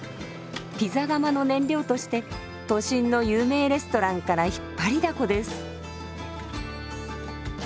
ピザ窯の燃料として都心の有名レストランから引っ張りだこです。